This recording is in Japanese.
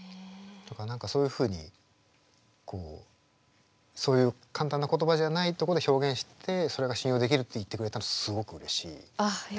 だから何かそういうふうにそういう簡単な言葉じゃないとこで表現してそれが信用できるって言ってくれたのすごくうれしいです。